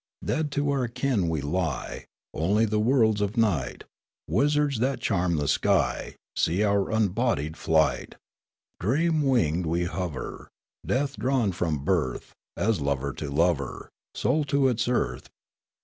Dead to our kin we lie ; 297 298 Riallaro Only the worlds of night, Wizards that charm the sky, See our unbodied flight. Dream winged we hover, Death drawn from birth ; As lover to lover, Soul to its earth.